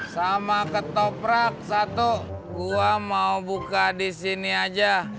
sama ketoprak satu gua mau buka disini aja